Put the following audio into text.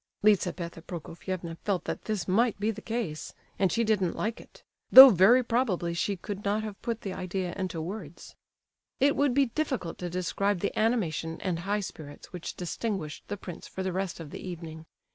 (Lizabetha Prokofievna felt that this might be the case, and she didn't like it; though very probably she could not have put the idea into words.) It would be difficult to describe the animation and high spirits which distinguished the prince for the rest of the evening.